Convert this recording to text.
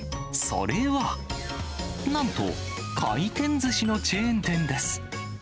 それは、なんと、回転ずしのチェーン店です。